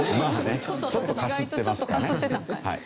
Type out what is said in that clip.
意外とちょっとかすってた。